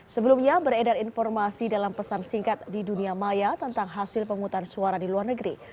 sebelumnya beredar informasi dalam pesan singkat di dunia maya tentang hasil penghutang suara di luar negeri